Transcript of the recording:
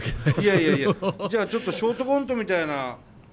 いやいやいやじゃあちょっとショートコントみたいな。